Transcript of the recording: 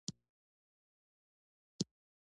مزل که هرڅومره اوږده وي بیا هم په يو قدم پېل کېږي